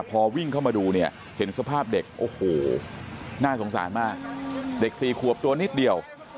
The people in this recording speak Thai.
พอวิ่งเข้ามาดูเนี่ยเห็นสภาพเด็กโอ้โหน่าสงสารมากเด็ก๔ขวบตัวนิดเดียว